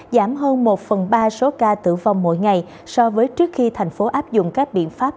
giảm hơn một phần ba số ca tử vong mỗi ngày so với trước khi thành phố áp dụng các biện pháp